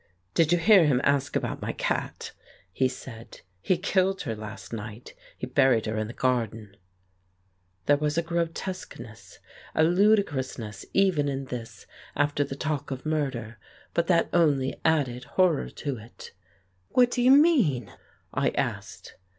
"Did you hear him ask about my cat? " he said. "He killed her last night; he buried her in the garden." There was a grotesqueness, a ludicrousness even in this after the talk of murder, but that only added horror to it. "What do you mean? " I asked.